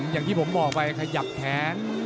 อย่างที่ผมบอกไปขยับแขน